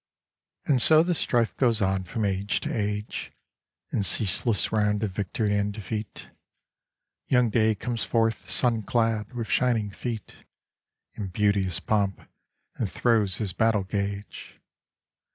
And so the strife goes on from age to age, In ceaseless round of victory and defeat: Young Day comes forth, sun clad, with shining feet, In beauteous pomp, and throws his battle gage.